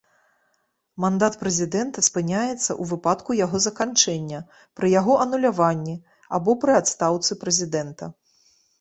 Мандат прэзідэнта спыняецца ў выпадку яго заканчэння, пры яго ануляванні, або пры адстаўцы прэзідэнта.